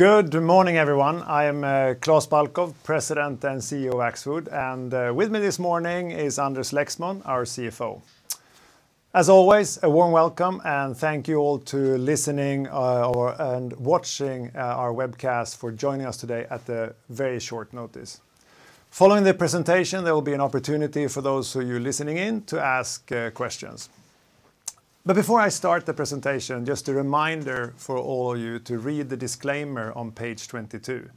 Good morning, everyone. I am Klas Balkow, President and CEO of Axfood, and with me this morning is Anders Lexmon, our CFO. As always, a warm welcome and thank you all to listening and watching our webcast for joining us today at a very short notice. Following the presentation, there will be an opportunity for those of you listening in to ask questions. Before I start the presentation, just a reminder for all of you to read the disclaimer on page 22.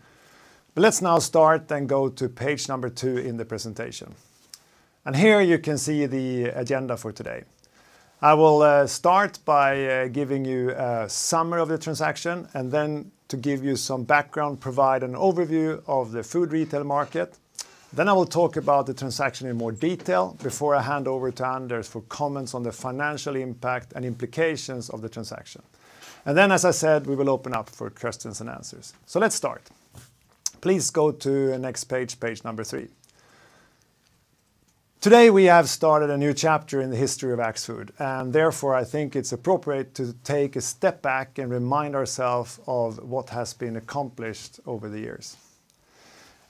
Let's now start and go to page number two in the presentation. Here you can see the agenda for today. I will start by giving you a summary of the transaction and then to give you some background, provide an overview of the food retail market. I will talk about the transaction in more detail before I hand over to Anders for comments on the financial impact and implications of the transaction. As I said, we will open up for questions and answers. Let's start. Please go to the next page number three. Today, we have started a new chapter in the history of Axfood, and therefore, I think it's appropriate to take a step back and remind ourselves of what has been accomplished over the years.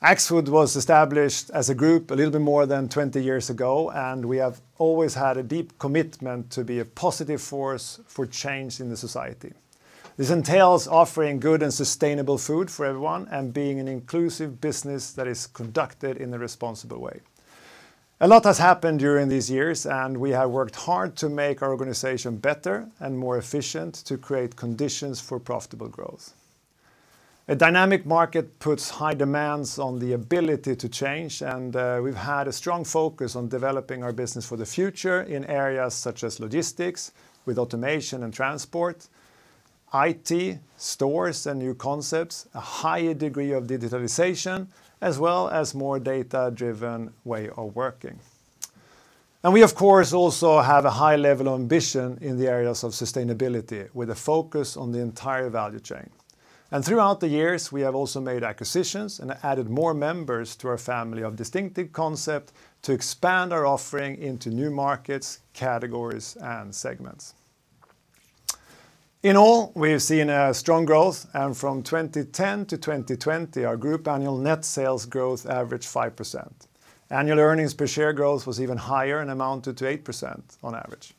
Axfood was established as a group a little more than 20 years ago, and we have always had a deep commitment to be a positive force for change in the society. This entails offering good and sustainable food for everyone and being an inclusive business that is conducted in a responsible way. A lot has happened during these years, and we have worked hard to make our organization better and more efficient to create conditions for profitable growth. A dynamic market puts high demands on the ability to change, and we've had a strong focus on developing our business for the future in areas such as logistics with automation and transport, IT, stores and new concepts, a higher degree of digitalization, as well as more data-driven way of working. We, of course, also have a high level of ambition in the areas of sustainability with a focus on the entire value chain. Throughout the years, we have also made acquisitions and added more members to our family of distinctive concept to expand our offering into new markets, categories, and segments. In all, we have seen a strong growth, and from 2010 to 2020, our group annual net sales growth averaged 5%. Annual earnings per share growth was even higher and amounted to 8% on average.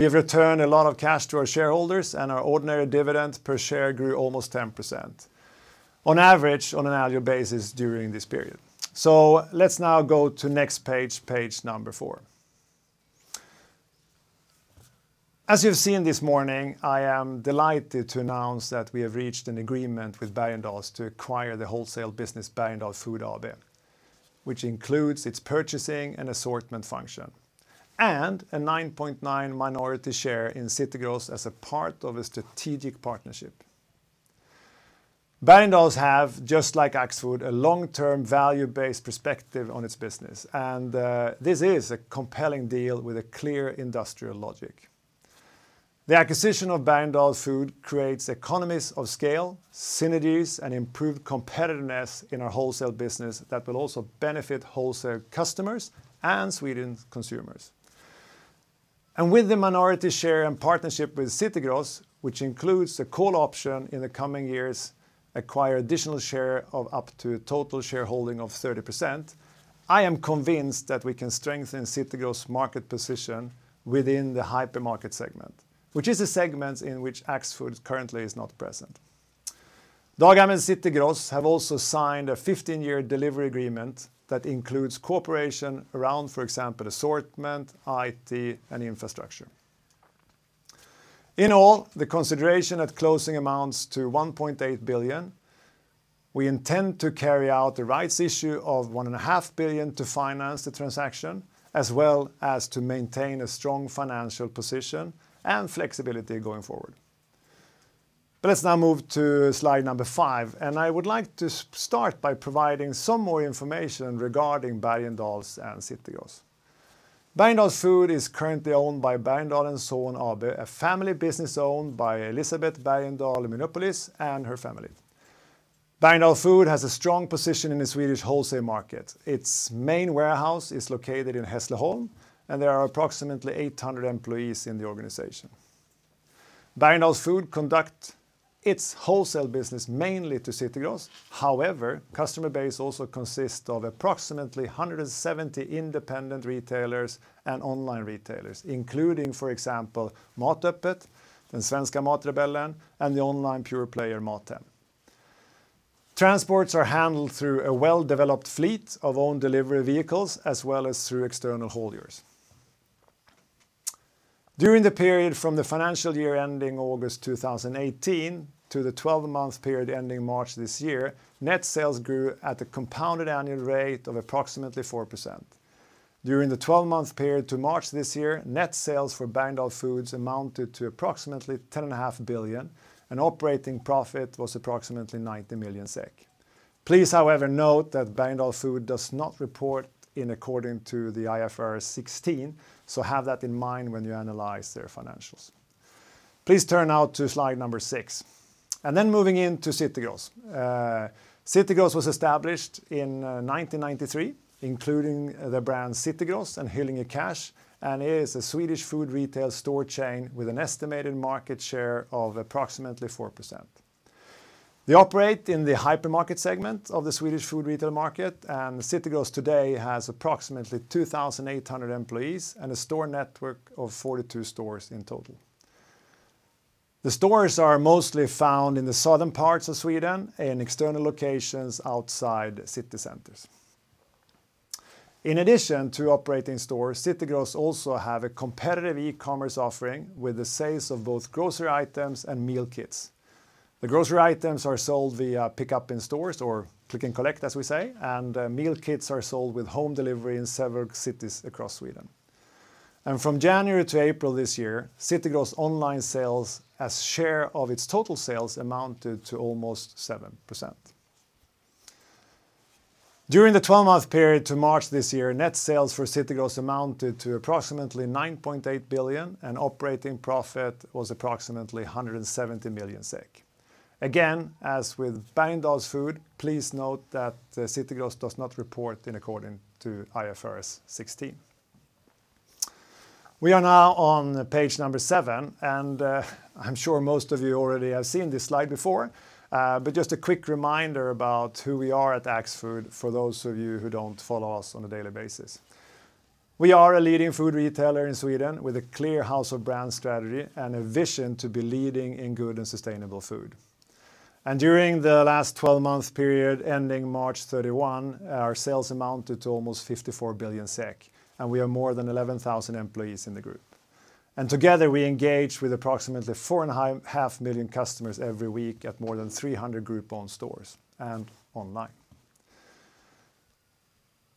We have returned a lot of cash to our shareholders and our ordinary dividends per share grew almost 10% on average on an annual basis during this period. Let's now go to next page number four. As you've seen this morning, I am delighted to announce that we have reached an agreement with Bergendahls to acquire the wholesale business Bergendahl Food AB, which includes its purchasing and assortment function and a 9.9 minority share in City Gross as a part of a strategic partnership. Bergendahls have, just like Axfood, a long-term value-based perspective on its business, and this is a compelling deal with a clear industrial logic. The acquisition of Bergendahl Food creates economies of scale, synergies, and improved competitiveness in our wholesale business that will also benefit wholesale customers and Sweden's consumers. With the minority share and partnership with City Gross, which includes the call option in the coming years, acquire additional share of up to a total shareholding of 30%, I am convinced that we can strengthen City Gross' market position within the hypermarket segment, which is a segment in which Axfood currently is not present. Dagab and City Gross have also signed a 15 year delivery agreement that includes cooperation around, for example, assortment, IT, and infrastructure. In all, the consideration at closing amounts to 1.8 billion. We intend to carry out the rights issue of 1.5 billion to finance the transaction, as well as to maintain a strong financial position and flexibility going forward. Let's now move to slide number five, and I would like to start by providing some more information regarding Bergendahls and City Gross. Bergendahl Food is currently owned by Bergendahl & Son AB, a family business owned by Elisabeth Bergendahl Mylonopoulos and her family. Bergendahl Food has a strong position in the Swedish wholesale market. Its main warehouse is located in Hässleholm, and there are approximately 800 employees in the organization. Bergendahl Food conduct its wholesale business mainly to City Gross. However, customer base also consists of approximately 170 independent retailers and online retailers, including, for example, Matöppet, Den Svenska Matrebellen, and the online pure player Mathem. Transports are handled through a well-developed fleet of own delivery vehicles as well as through external hauliers. During the period from the financial year ending August 2018 to the 12 month period ending March this year, net sales grew at a compounded annual rate of approximately 4%. During the 12 month period to March this year, net sales for Bergendahl Food amounted to approximately 10.5 billion and operating profit was approximately 90 million SEK. Please, however, note that Bergendahl Food does not report according to the IFRS 16, have that in mind when you analyze their financials. Please turn now to slide number six. Moving into City Gross. City Gross was established in 1993, including the brand City Gross in Hyllinge, and is a Swedish food retail store chain with an estimated market share of approximately 4%. They operate in the hypermarket segment of the Swedish food retail market, City Gross today has approximately 2,800 employees and a store network of 42 stores in total. The stores are mostly found in the southern parts of Sweden and external locations outside city centers. In addition to operating stores, City Gross also have a competitive e-commerce offering with the sales of both grocery items and meal kits. The grocery items are sold via pickup in stores, or click and collect as we say, and the meal kits are sold with home delivery in several cities across Sweden. From January to April this year, City Gross online sales as share of its total sales amounted to almost 7%. During the 12 month period to March this year, net sales for City Gross amounted to approximately 9.8 billion and operating profit was approximately 170 million SEK. Again, as with Bergendahl Food, please note that City Gross does not report in according to IFRS 16. We are now on page number seven. I'm sure most of you already have seen this slide before, but just a quick reminder about who we are at Axfood for those of you who don't follow us on a daily basis. We are a leading food retailer in Sweden with a clear house of brands strategy and a vision to be leading in good and sustainable food. During the last 12-month period ending March 31, our sales amounted to almost 54 billion SEK, and we have more than 11,000 employees in the group. Together we engage with approximately 4.5 million customers every week at more than 300 group-owned stores and online.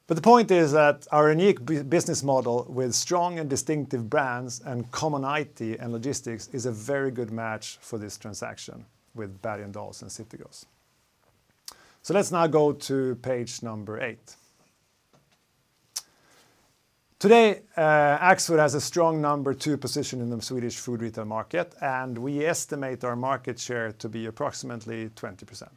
The point is that our unique business model with strong and distinctive brands and common IT and logistics is a very good match for this transaction with Bergendahls and City Gross. Let's now go to page number eight. Today, Axfood has a strong number two position in the Swedish food retail market, and we estimate our market share to be approximately 20%.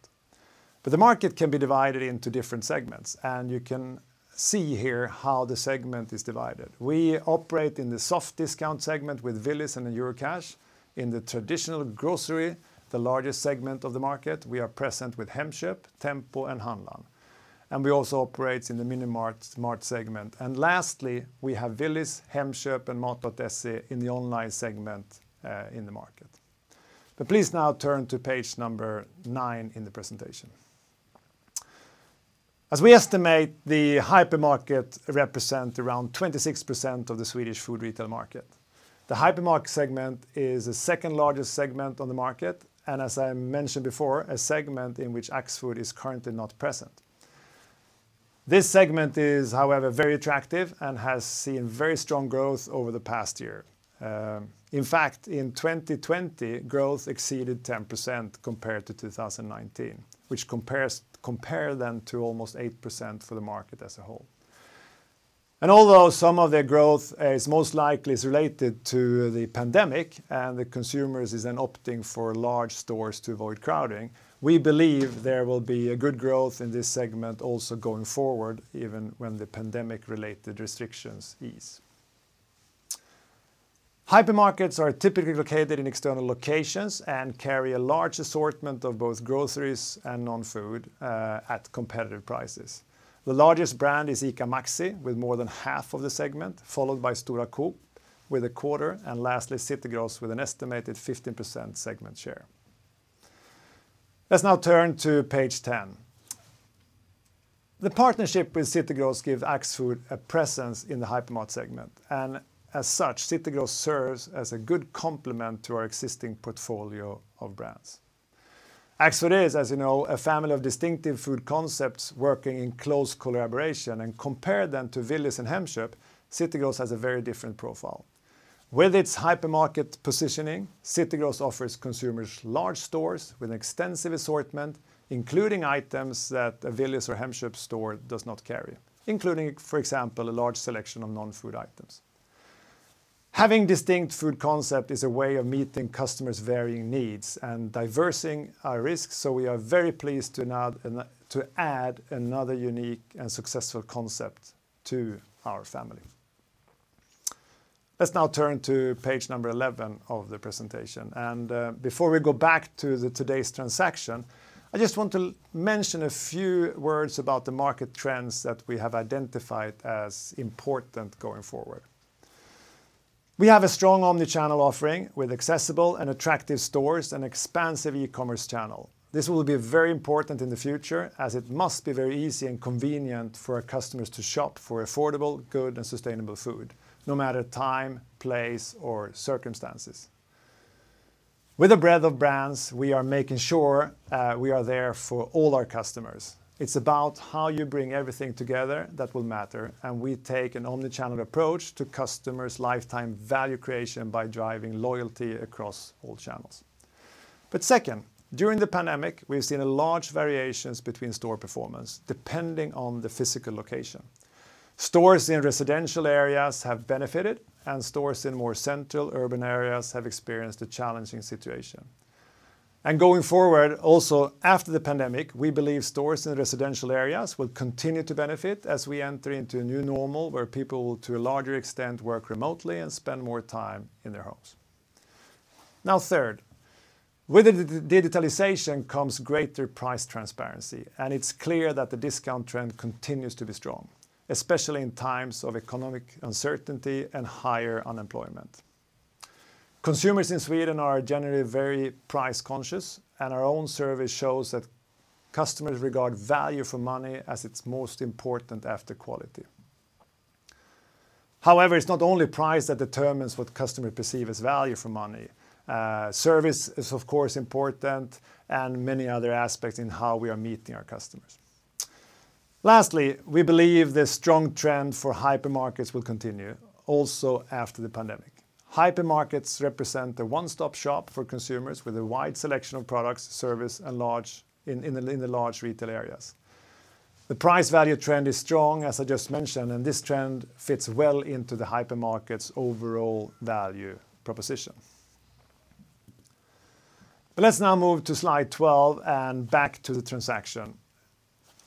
The market can be divided into different segments, and you can see here how the segment is divided. We operate in the soft discount segment with Willys and Eurocash. In the traditional grocery, the largest segment of the market, we are present with Hemköp, Tempo and Handlar'n. We also operate in the mini mart smart segment. Lastly, we have Willys, Hemköp, and Mat.se in the online segment in the market. Please now turn to page nine in the presentation. As we estimate the hypermarket represent around 26% of the Swedish food retail market. The hypermarket segment is the second largest segment on the market, as I mentioned before, a segment in which Axfood is currently not present. This segment is, however, very attractive and has seen very strong growth over the past year. In fact, in 2020, growth exceeded 10% compared to 2019, which compare then to almost 8% for the market as a whole. Although some of their growth is most likely related to the pandemic and the consumers is then opting for large stores to avoid crowding, we believe there will be a good growth in this segment also going forward, even when the pandemic-related restrictions ease. Hypermarkets are typically located in external locations and carry a large assortment of both groceries and non-food at competitive prices. The largest brand is ICA Maxi with more than half of the segment, followed by Stora Coop with a quarter, and lastly City Gross with an estimated 15% segment share. Let's now turn to page 10. The partnership with City Gross gives Axfood a presence in the hypermarket segment, and as such City Gross serves as a good complement to our existing portfolio of brands. Axfood is, as you know, a family of distinctive food concepts working in close collaboration and compare them to Willys and Hemköp, City Gross has a very different profile. With its hypermarket positioning, City Gross offers consumers large stores with extensive assortment, including items that a Willys or Hemköp store does not carry, including, for example, a large selection of non-food items. Having distinct food concept is a way of meeting customers' varying needs and diversing our risk, so we are very pleased to add another unique and successful concept to our family. Let's now turn to page number 11 of the presentation. Before we go back to today's transaction, I just want to mention a few words about the market trends that we have identified as important going forward. We have a strong omni-channel offering with accessible and attractive stores and expansive e-commerce channel. This will be very important in the future as it must be very easy and convenient for our customers to shop for affordable, good, and sustainable food, no matter time, place, or circumstances. With a breadth of brands, we are making sure we are there for all our customers. It's about how you bring everything together that will matter, and we take an omni-channel approach to customers' lifetime value creation by driving loyalty across all channels. Second, during the pandemic, we've seen large variations between store performance, depending on the physical location. Stores in residential areas have benefited and stores in more central urban areas have experienced a challenging situation. Going forward, also after the pandemic, we believe stores in residential areas will continue to benefit as we enter into a new normal where people will, to a larger extent, work remotely and spend more time in their homes. Now third, with digitalization comes greater price transparency, and it's clear that the discount trend continues to be strong, especially in times of economic uncertainty and higher unemployment. Consumers in Sweden are generally very price conscious. Our own survey shows that customers regard value for money as its most important after quality. However, it's not only price that determines what customers perceive as value for money. Service is, of course, important and many other aspects in how we are meeting our customers. Lastly, we believe the strong trend for hypermarkets will continue also after the pandemic. Hypermarkets represent the one-stop shop for consumers with a wide selection of products, service in the large retail areas. The price value trend is strong, as I just mentioned, and this trend fits well into the hypermarket's overall value proposition. Let's now move to slide 12 and back to the transaction.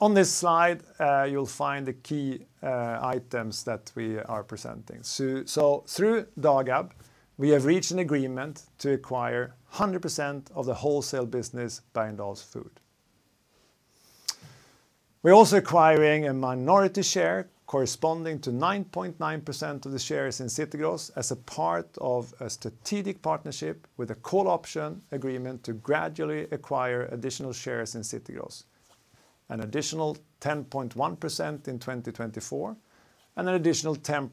On this slide, you'll find the key items that we are presenting. Through Dagab, we have reached an agreement to acquire 100% of the wholesale business, Bergendahls Food. We're also acquiring a minority share corresponding to 9.9% of the shares in City Gross as a part of a strategic partnership with a call option agreement to gradually acquire additional shares in City Gross, an additional 10.1% in 2024 and an additional 10%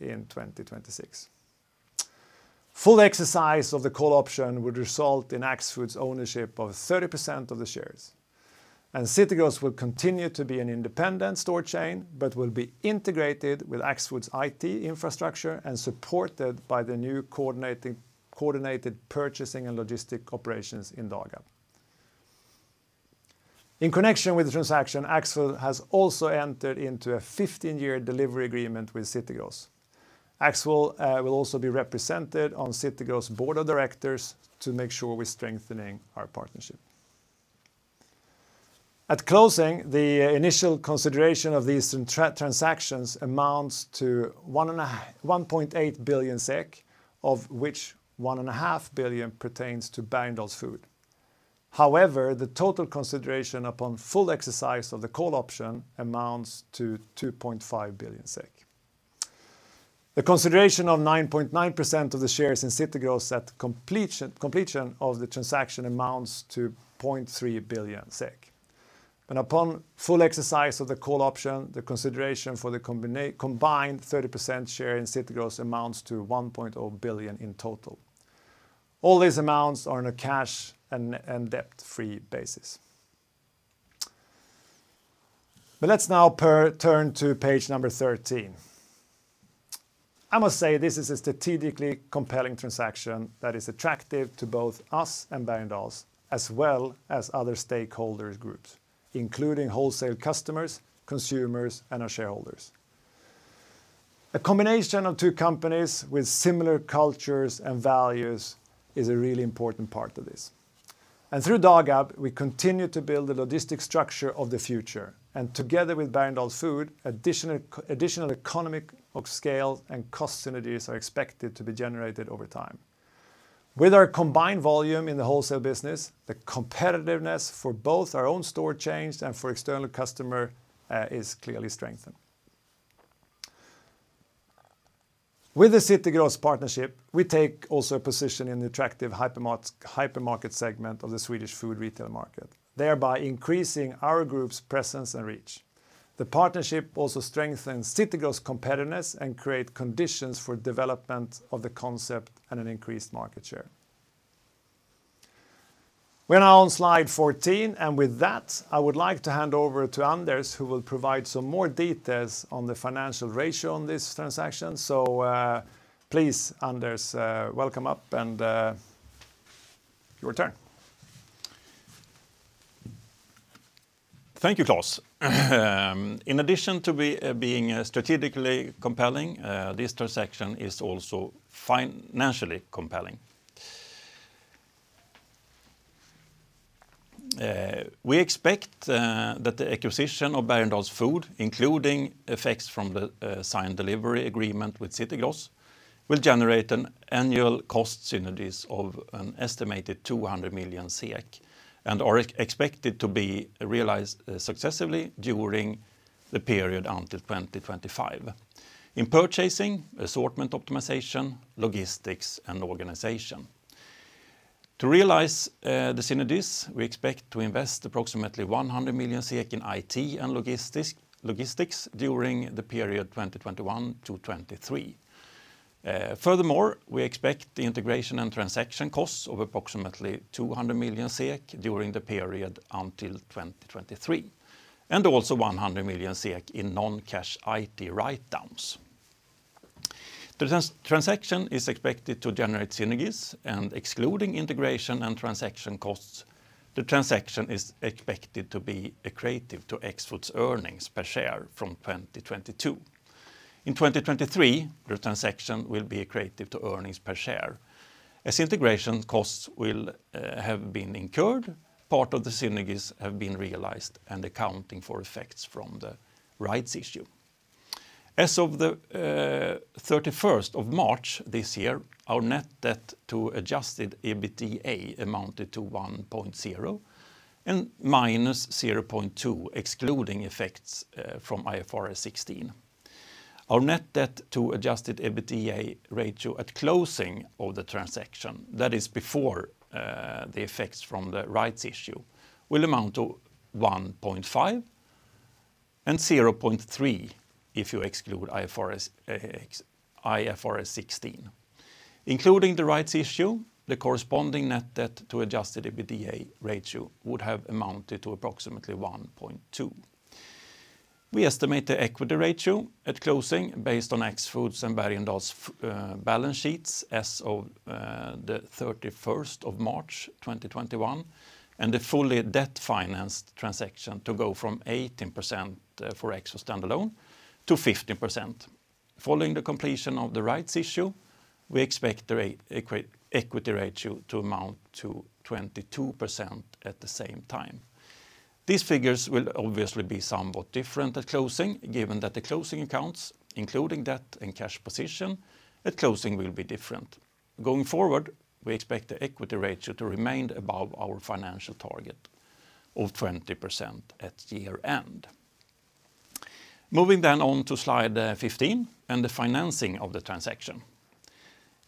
in 2026. Full exercise of the call option would result in Axfood's ownership of 30% of the shares, and City Gross will continue to be an independent store chain but will be integrated with Axfood's IT infrastructure and supported by the new coordinated purchasing and logistic operations in Dagab. In connection with the transaction, Axfood has also entered into a 15-year delivery agreement with City Gross. Axfood will also be represented on City Gross' board of directors to make sure we're strengthening our partnership. At closing, the initial consideration of these transactions amounts to 1.8 billion SEK, of which 1.5 billion pertains to Bergendahl Food. The total consideration upon full exercise of the call option amounts to 2.5 billion SEK. The consideration of 9.9% of the shares in City Gross at completion of the transaction amounts to 0.3 billion SEK. Upon full exercise of the call option, the consideration for the combined 30% share in City Gross amounts to 1.0 billion in total. All these amounts are on a cash and debt-free basis. Let's now turn to page 13. I must say this is a strategically compelling transaction that is attractive to both us and Bergendahls, as well as other stakeholder groups, including wholesale customers, consumers, and our shareholders. A combination of two companies with similar cultures and values is a really important part of this. Through Dagab, we continue to build the logistic structure of the future. Together with Bergendahl Food, additional economic scale and cost synergies are expected to be generated over time. With our combined volume in the wholesale business, the competitiveness for both our own store chains and for external customer is clearly strengthened. With the City Gross partnership, we take also a position in attractive hypermarket segment of the Swedish food retail market, thereby increasing our group's presence and reach. The partnership also strengthens City Gross' competitiveness and create conditions for development of the concept and an increased market share. We're now on slide 14, and with that, I would like to hand over to Anders, who will provide some more details on the financial ratio on this transaction. Please, Anders, welcome up and your turn. Thank you, Klas. In addition to being strategically compelling, this transaction is also financially compelling. We expect that the acquisition of Bergendahl Food, including effects from the signed delivery agreement with City Gross, will generate an annual cost synergies of an estimated 200 million SEK and are expected to be realized successfully during the period until 2025 in purchasing, assortment optimization, logistics, and organization. To realize the synergies, we expect to invest approximately 100 million SEK in IT and logistics during the period 2021-2023. Furthermore, we expect the integration and transaction costs of approximately 200 million SEK during the period until 2023 and also 100 million SEK in non-cash IT write-downs. The transaction is expected to generate synergies and excluding integration and transaction costs, the transaction is expected to be accretive to Axfood's earnings per share from 2022. In 2023, the transaction will be accretive to earnings per share as integration costs will have been incurred, part of the synergies have been realized and accounting for effects from the rights issue. As of the 31st of March this year, our net debt to adjusted EBITDA amounted to 1.0 and -0.2, excluding effects from IFRS 16. Our net debt to adjusted EBITDA ratio at closing of the transaction, that is before the effects from the rights issue, will amount to 1.5 and 0.3 if you exclude IFRS 16. Including the rights issue, the corresponding net debt to adjusted EBITDA ratio would have amounted to approximately 1.2. We estimate the equity ratio at closing based on Axfood's and Bergendahls balance sheets as of the 31st of March 2021, and the fully debt-financed transaction to go from 18% for Axfood standalone to 15%. Following the completion of the rights issue, we expect the equity ratio to amount to 22% at the same time. These figures will obviously be somewhat different at closing, given that the closing accounts, including debt and cash position at closing, will be different. Going forward, we expect the equity ratio to remain above our financial target of 20% at year-end. Moving on to slide 15 and the financing of the transaction.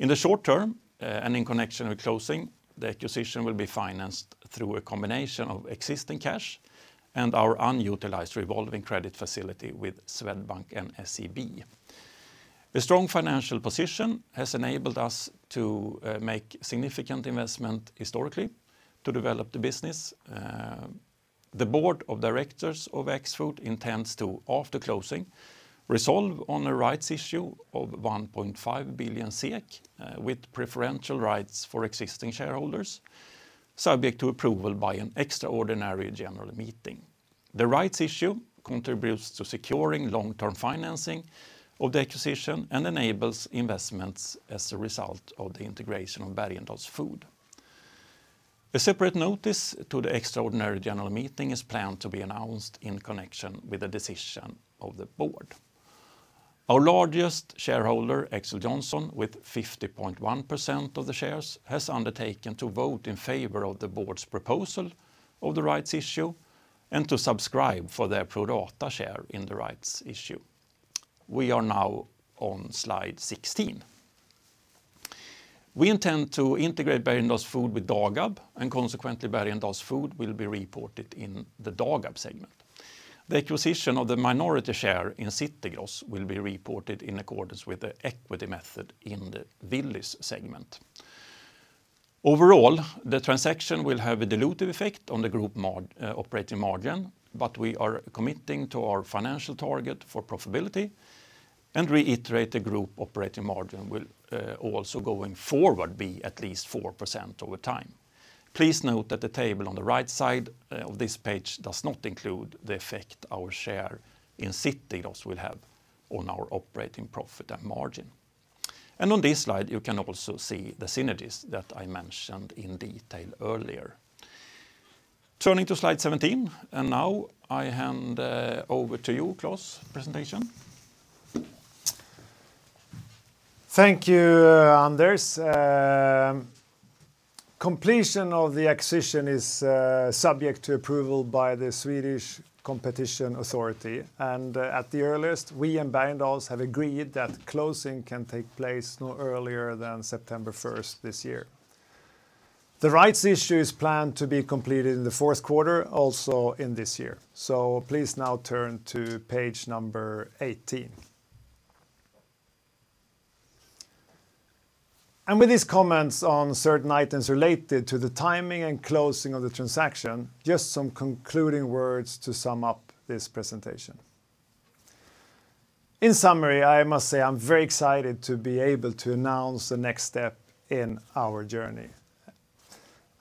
In the short term, and in connection with closing, the acquisition will be financed through a combination of existing cash and our unutilized revolving credit facility with Swedbank and SEB. The strong financial position has enabled us to make significant investment historically to develop the business. The board of directors of Axfood intends to, after closing, resolve on a rights issue of 1.5 billion SEK with preferential rights for existing shareholders, subject to approval by an extraordinary general meeting. The rights issue contributes to securing long-term financing of the acquisition and enables investments as a result of the integration of Bergendahls Food. A separate notice to the extraordinary general meeting is planned to be announced in connection with the decision of the board. Our largest shareholder, Axel Johnson, with 50.1% of the shares, has undertaken to vote in favor of the board's proposal of the rights issue and to subscribe for their pro rata share in the rights issue. We are now on slide 16. We intend to integrate Bergendahls Food with Dagab, and consequently, Bergendahls Food will be reported in the Dagab segment. The acquisition of the minority share in City Gross will be reported in accordance with the equity method in the Willys segment. Overall, the transaction will have a dilutive effect on the group operating margin, but we are committing to our financial target for profitability and reiterate the group operating margin will also, going forward, be at least 4% over time. Please note that the table on the right side of this page does not include the effect our share in City Gross will have on our operating profit and margin. On this slide, you can also see the synergies that I mentioned in detail earlier. Turning to slide 17, and now I hand over to you, Klas. Thank you, Anders. Completion of the acquisition is subject to approval by the Swedish Competition Authority. At the earliest, we and Bergendahls have agreed that closing can take place no earlier than September 1st this year. The rights issue is planned to be completed in the fourth quarter, also in this year. Please now turn to page number 18. With these comments on certain items related to the timing and closing of the transaction, just some concluding words to sum up this presentation. In summary, I must say I'm very excited to be able to announce the next step in our journey.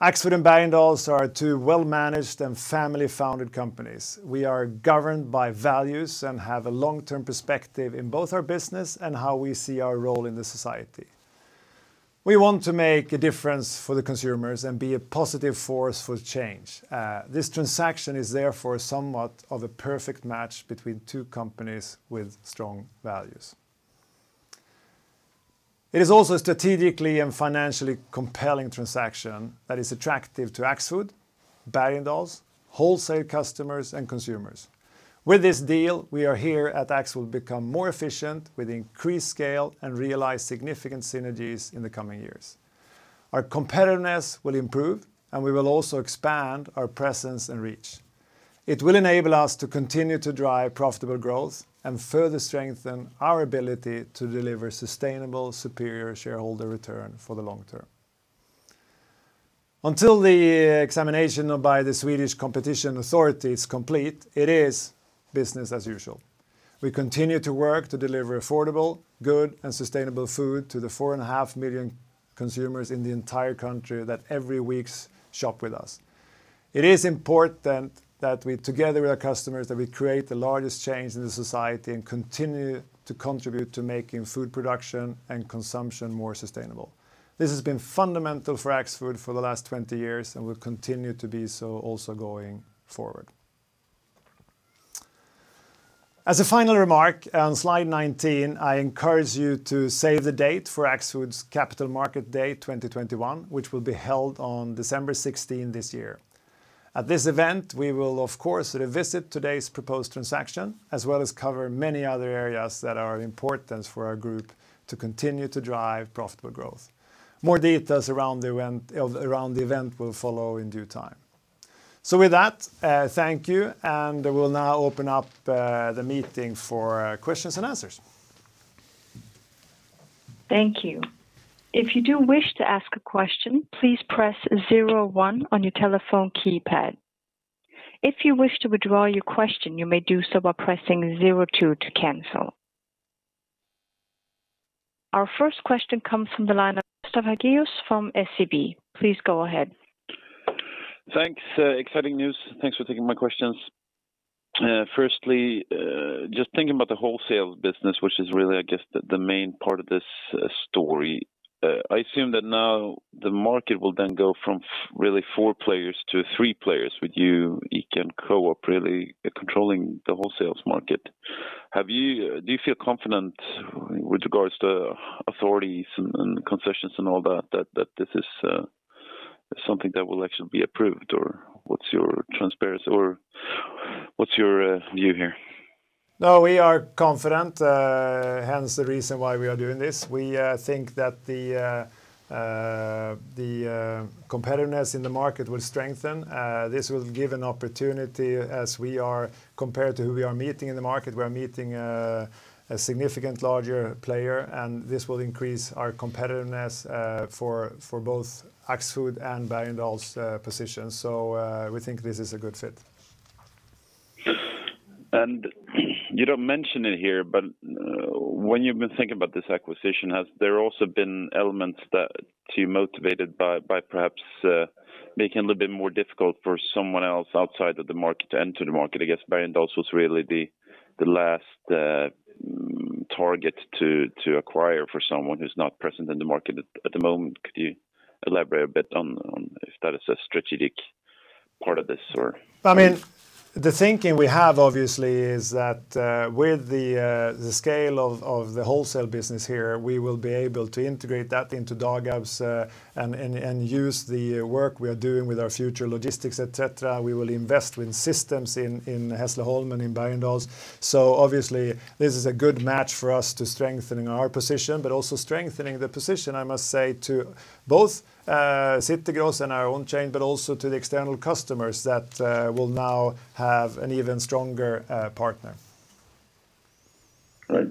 Axfood and Bergendahls are two well-managed and family-founded companies. We are governed by values and have a long-term perspective in both our business and how we see our role in the society. We want to make a difference for the consumers and be a positive force for change. This transaction is therefore somewhat of a perfect match between two companies with strong values. It is also a strategically and financially compelling transaction that is attractive to Axfood, Bergendahls, wholesale customers, and consumers. With this deal, we are here at Axfood become more efficient with increased scale and realize significant synergies in the coming years. Our competitiveness will improve, and we will also expand our presence and reach. It will enable us to continue to drive profitable growth and further strengthen our ability to deliver sustainable superior shareholder return for the long term. Until the examination by the Swedish Competition Authority is complete, it is business as usual. We continue to work to deliver affordable, good, and sustainable food to the 4.5 million consumers in the entire country that every weeks shop with us. It is important that we, together with our customers, that we create the largest change in the society and continue to contribute to making food production and consumption more sustainable. This has been fundamental for Axfood for the last 20 years, and will continue to be so also going forward. As a final remark, on slide 19, I encourage you to save the date for Axfood's Capital Market Day 2021, which will be held on December 16 this year. At this event, we will of course revisit today's proposed transaction as well as cover many other areas that are important for our group to continue to drive profitable growth. More details around the event will follow in due time. With that, thank you, and we will now open up the meeting for questions and answers. Thank you. If you do wish to ask a question, please press zero one on your telephone keypad. If you wish to withdraw your question, you may do so by pressing zero two to cancel. Our first question comes from the line of Gustav Hagéus from SEB. Please go ahead. Thanks. Exciting news. Thanks for taking my questions. Just thinking about the wholesale business, which is really, I guess, the main part of this story. I assume that now the market will then go from really four players to three players with you, ICA and Coop really controlling the wholesale market. Do you feel confident with regards to authorities and concessions and all that this is something that will actually be approved? What's your view here? No, we are confident, hence the reason why we are doing this. We think that the competitiveness in the market will strengthen. This will give an opportunity as we are compared to who we are meeting in the market. We are meeting a significant larger player. This will increase our competitiveness for both Axfood and Bergendahls' position. We think this is a good fit. You don't mention it here, but when you've been thinking about this acquisition, has there also been elements that you're motivated by perhaps making it a little bit more difficult for someone else outside of the market to enter the market? I guess Bergendahls was really the last target to acquire for someone who's not present in the market at the moment. Could you elaborate a bit on if that is a strategic part of this? The thinking we have obviously is that with the scale of the wholesale business here, we will be able to integrate that into Dagab and use the work we are doing with our future logistics, etc. We will invest in systems in Hässleholm and in Bergendahls. Obviously this is a good match for us to strengthening our position, but also strengthening the position, I must say to both City Gross and our own chain, but also to the external customers that will now have an even stronger partner. Right.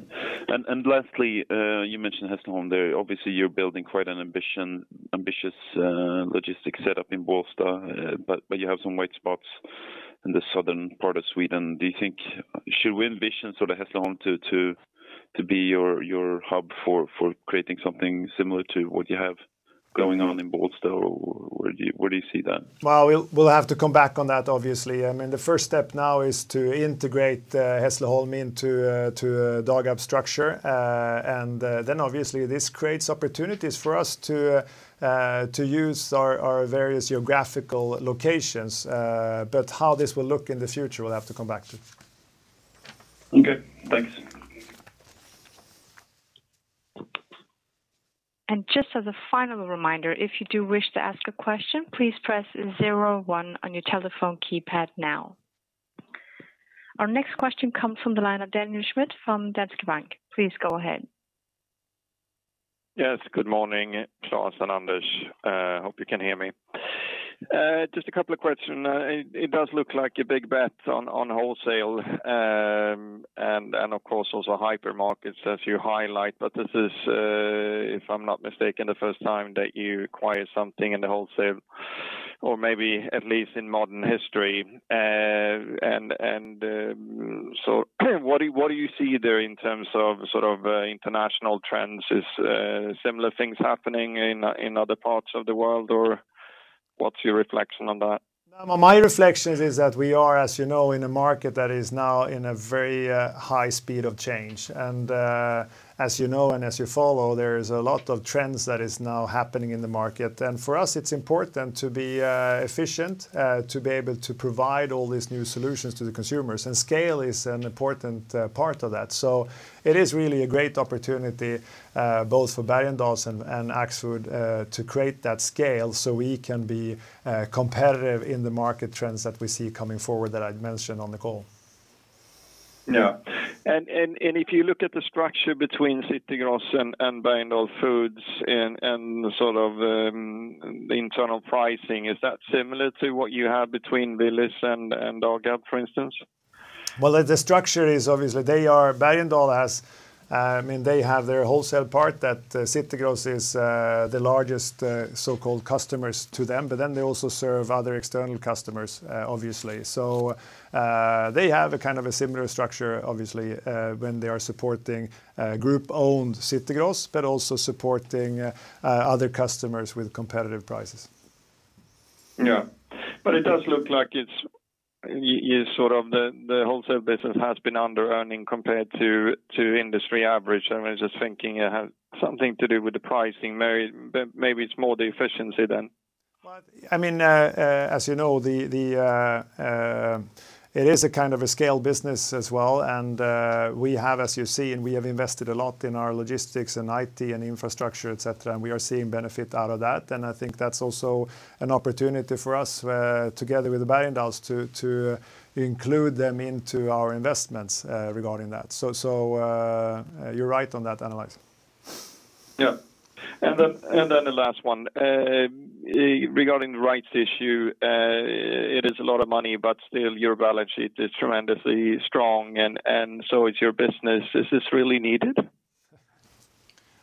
Lastly, you mentioned Hässleholm there. Obviously, you're building quite an ambitious logistics setup in Bålsta, but you have some white spots in the southern part of Sweden. Do you think should we ambition sort of Hässleholm to be your hub for creating something similar to what you have going on in Bålsta, or where do you see that? Well, we'll have to come back on that, obviously. The first step now is to integrate Hässleholm into Dagab structure. Then obviously this creates opportunities for us to use our various geographical locations. How this will look in the future, we'll have to come back to. Okay, thanks. Just as a final reminder, if you do wish to ask a question, please press zero one on your telephone keypad now. Our next question comes from the line of Daniel Schmidt from Danske Bank. Please go ahead. Yes, good morning, Klas and Anders. Hope you can hear me. Just a couple of questions. It does look like a big bet on wholesale and of course also hypermarkets as you highlight. This is, if I'm not mistaken, the first time that you acquire something in the wholesale or maybe at least in modern history. What do you see there in terms of international trends? Is similar things happening in other parts of the world, or what's your reflection on that? No, my reflection is that we are, as you know, in a market that is now in a very high speed of change. As you know and as you follow, there is a lot of trends that is now happening in the market. For us it's important to be efficient to be able to provide all these new solutions to the consumers and scale is an important part of that. It is really a great opportunity both for Bergendahls and Axfood to create that scale so we can be competitive in the market trends that we see coming forward that I mentioned on the call. Yeah. If you look at the structure between City Gross and Bergendahl Food and the internal pricing, is that similar to what you have between Willys and Dagab, for instance? Well, the structure is obviously Bergendahls They have their wholesale part that City Gross is the largest so-called customers to them, but then they also serve other external customers, obviously. They have a kind of a similar structure, obviously, when they are supporting group-owned City Gross but also supporting other customers with competitive prices. Yeah. It does look like the wholesale business has been underearning compared to industry average. I was just thinking it has something to do with the pricing. Maybe it's more the efficiency then. As you know, it is a kind of a scale business as well, and we have, as you see, invested a lot in our logistics and IT and infrastructure, etc, and we are seeing benefit out of that. I think that's also an opportunity for us, together with Bergendahls, to include them into our investments regarding that. You're right on that analysis. Yeah. The last one. Regarding the rights issue, it is a lot of money, but still your balance sheet is tremendously strong and so is your business. Is this really needed?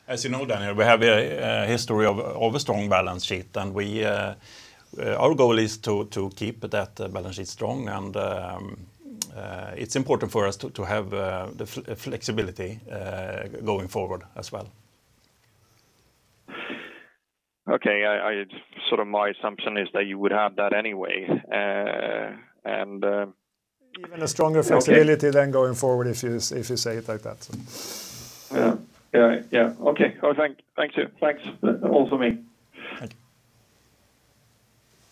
As you know, Daniel, we have a history of a strong balance sheet, and our goal is to keep that balance sheet strong, and it's important for us to have the flexibility going forward as well. Okay. My assumption is that you would have that anyway. Even a stronger flexibility then going forward, if you say it like that. Yeah. Okay. Thank you. Thanks. That's all for me.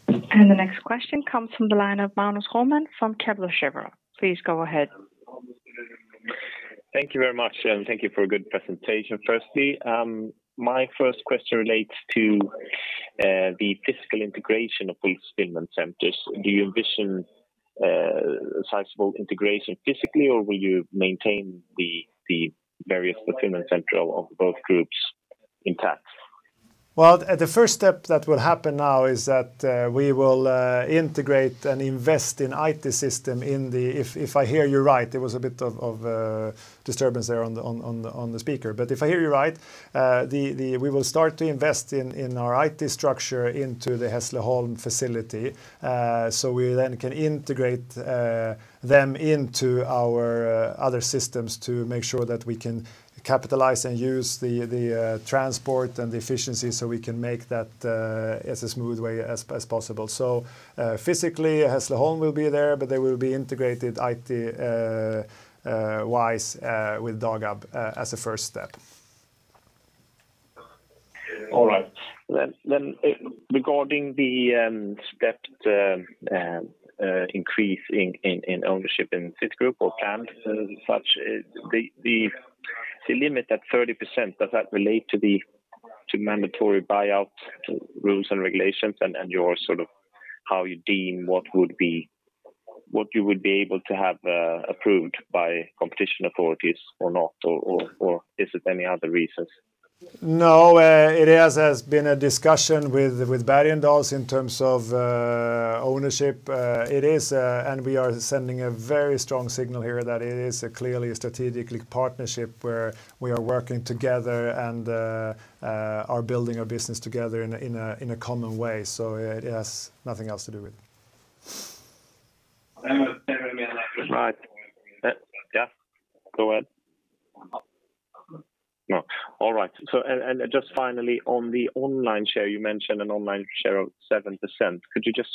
The next question comes from the line of Magnus Råman from Kepler Cheuvreux. Please go ahead. Thank you very much, and thank you for a good presentation, firstly. My first question relates to the physical integration of these fulfillment centers. Do you envision a sizable integration physically, or will you maintain the various fulfillment centers of both groups intact? If I hear you right, there was a bit of a disturbance there on the speaker. If I hear you right, we will start to invest in our IT structure into the Hässleholm facility. We then can integrate them into our other systems to make sure that we can capitalize and use the transport and the efficiency so we can make that as a smooth way as possible. Physically, Hässleholm will be there, but they will be integrated IT-wise with Dagab as a first step. All right. Regarding the stepped increase in ownership in this group or plans as such, the limit at 30%, does that relate to mandatory buyout rules and regulations and how you deem what you would be able to have approved by competition authorities or not, or is it any other reasons? No, it has been a discussion with Bergendahls in terms of ownership. It is, and we are sending a very strong signal here that it is a clearly strategic partnership where we are working together and are building our business together in a common way. It has nothing else to do with it. Right. Yeah. Go ahead. All right. Just finally on the online share, you mentioned an online share of 7%. Could you just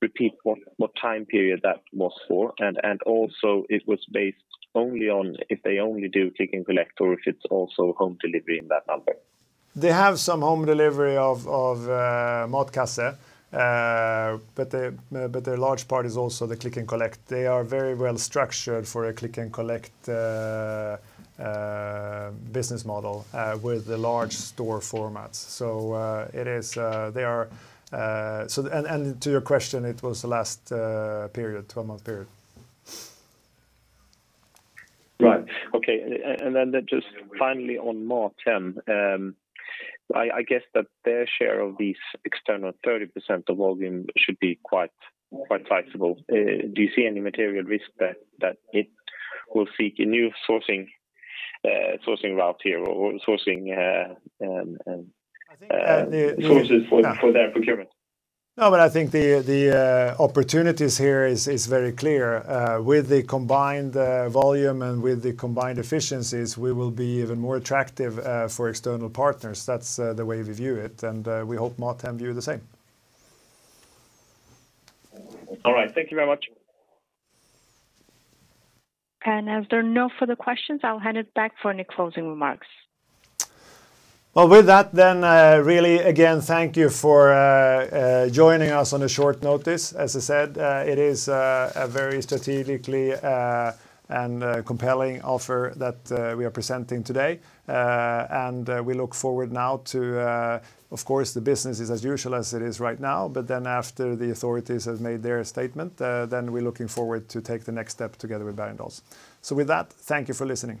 repeat what time period that was for? It was based only on if they only do click and collect or if it's also home delivery in that number. They have some home delivery of Matkasse. The large part is also the click and collect. They are very well structured for a click and collect business model with the large store formats. To your question, it was the last period, 12-month period. Right. Okay. Then just finally on MatHem. I guess that their share of these external 30% of volume should be quite sizable. Do you see any material risk that it will seek a new sourcing route here or sourcing- I think- Sources for their procurement? No, I think the opportunities here is very clear. With the combined volume and with the combined efficiencies, we will be even more attractive for external partners. That's the way we view it, and we hope Mathem view the same. All right. Thank you very much. As there are no further questions, I'll hand it back for any closing remarks. With that, then really again, thank you for joining us on a short notice. As I said, it is a very strategically and compelling offer that we are presenting today, and we look forward now to, of course, the business is as usual as it is right now. After the authorities have made their statement, then we're looking forward to take the next step together with Bergendahls. With that, thank you for listening.